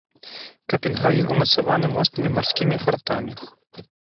Капенгаген ўмацаваны моцнымі марскімі фартамі.